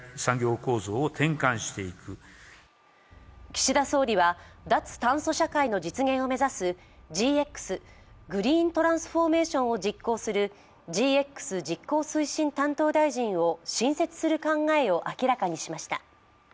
岸田総理は、脱炭素社会の実現を目指すＧＸ＝グリーントランスフォーメーションを実行するＧＸ実行推進担当大臣を新設する考えを明らかにしました。